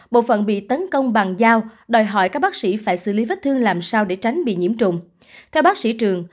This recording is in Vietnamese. bộ phần bị tấn công bằng dao đòi hỏi các bác sĩ phải xử lý vết thương làm sao để tránh bị nhiễm trùng